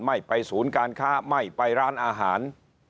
ไม่ไปศูนย์การค้าไม่ไปร้านอาหาร